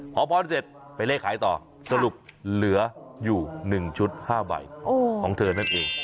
พอพรเสร็จไปเลขขายต่อสรุปเหลืออยู่๑ชุด๕ใบของเธอนั่นเอง